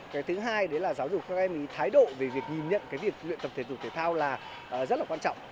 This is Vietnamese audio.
cái thứ hai đấy là giáo dục các em ý thái độ về việc nhìn nhận cái việc luyện tập thể dục thể thao là rất là quan trọng